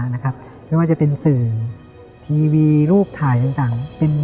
ไม่ว่าจะเป็นสื่อทีวีรูปถ่ายต่าง